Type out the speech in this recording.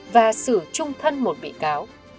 và xử chung thân một bị cáo